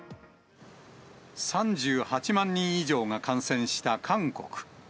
３８万人以上が感染した韓国。